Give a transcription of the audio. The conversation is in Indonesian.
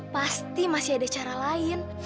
pasti masih ada cara lain